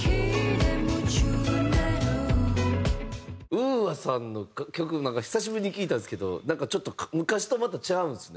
ＵＡさんの楽曲なんか久しぶりに聴いたんですけどなんかちょっと昔とまたちゃうんですね